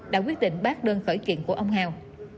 đã quyết định bác đơn khởi kiện của ông hào